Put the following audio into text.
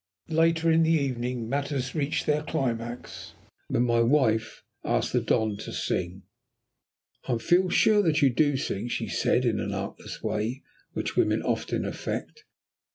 Later in the evening matters reached their climax, when my wife asked the Don to sing. "I feel sure that you do sing," she said in that artless way which women often affect.